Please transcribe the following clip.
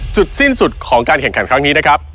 จุดสิ้นสุดของการแข่งขันครั้งนี้นะครับ